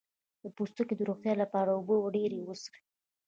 د پوستکي د روغتیا لپاره اوبه ډیرې وڅښئ